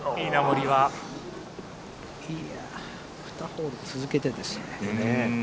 いや、２ホール続けてですね。